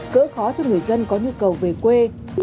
cỡ khó cho người dân có nhu cầu về quê